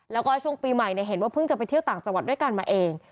แล้วก็ช่วงปีใหม่เห็นว่าเพิ่งจะไปเที่ยวต่างจังหวัดด้วยกันมาเอง